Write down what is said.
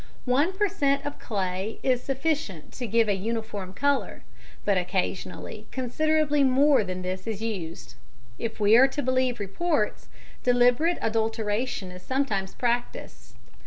One per cent. of clay is sufficient to give a uniform colour, but occasionally considerably more than this is used. If we are to believe reports, deliberate adulteration is sometimes practised.